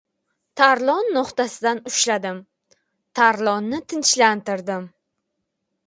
Tarlon no‘xtasidan ushladim. Tarlonni tinchlantirdim: